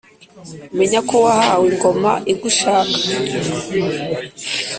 menya ko wahawe ingoma igushaka